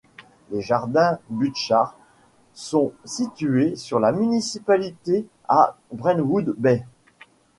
Les jardins Butchart sont situés sur la municipalité, à Brentwood Bay.